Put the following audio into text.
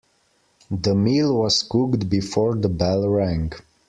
The meal was cooked before the bell rang.